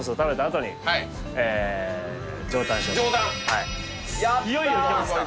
はいいよいよ行きますか？